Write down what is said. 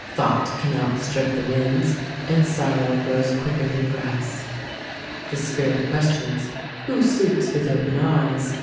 Thought can outstrip the winds, and sorrow grows quicker than grass. The Spirit questions : Who sleeps with open eyes